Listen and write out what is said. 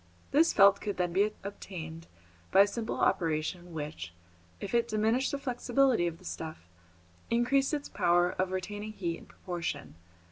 This felt could then be obtained by a simple operation which, if it diminished the flexibility of the stuff, increased its power of retaining heat in proportion.